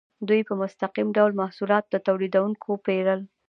دوی په مستقیم ډول محصولات له تولیدونکو پیرل.